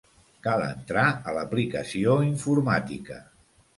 Cal entrar a l'aplicació informàtica.